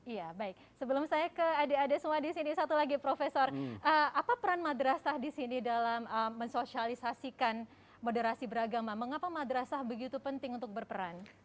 iya baik sebelum saya ke adik adik semua di sini satu lagi profesor apa peran madrasah di sini dalam mensosialisasikan moderasi beragama mengapa madrasah begitu penting untuk berperan